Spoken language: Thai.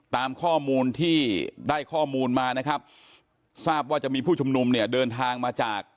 ตามข้อมูลที่ได้ข้อมูลมานะครับทราบว่าจะมีผู้ชุมนุมเนี่ยเดินทางมาจาก